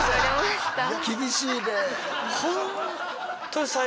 厳しいね。